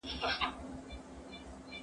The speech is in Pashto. زه به اوږده موده د کور دندې بشپړ کړم!